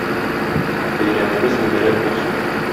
Бәйрәмебез мөбарәк булсын!